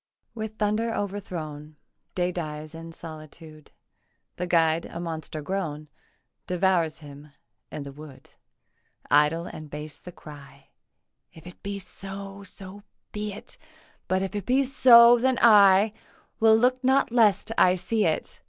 With thunder overthrown Day dies in solitude; The guide, a monster grown, Devours him in the wood. Idle and base the cry 'If it be so, so be it; But if it be so, then I Will look not lest I see it.